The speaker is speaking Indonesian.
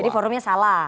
jadi forumnya salah